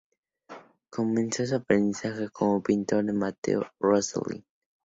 Comenzó su aprendizaje como pintor con Matteo Rosselli.